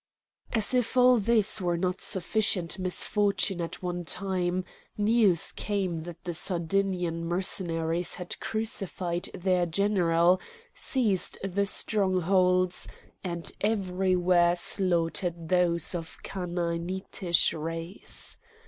As if all this were not sufficient misfortune at one time, news came that the Sardinian Mercenaries had crucified their general, seized the strongholds, and everywhere slaughtered those of Chanaanitish race.